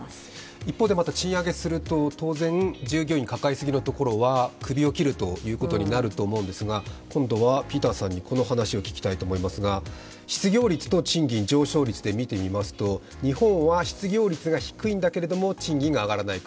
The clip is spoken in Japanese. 一方でまた賃上げすると、当然、従業員を抱えすぎなところは首を切るということになると思うんですが、今度はピーターさんにこの話を聞きたいと思いますが失業率と賃金上昇率で見てみますと日本は失業率が低いんだけど、賃金が上がらない国。